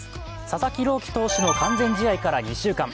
佐々木朗希投手の完全試合から２週間。